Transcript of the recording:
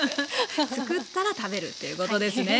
作ったら食べるっていうことですね。